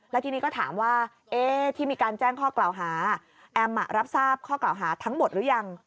แล้วทีนี้ก็ถามว่าที่มีการแจ้งข้อกล่าวหาแอมรับทราบข้อกล่าวหาทั้งหมดหรือยัง